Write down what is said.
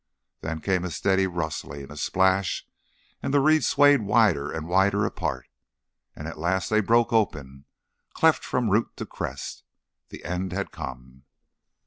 Then came a steady rustling, a splash, and the reeds swayed wider and wider apart. And at last they broke open, cleft from root to crest.... The end had come.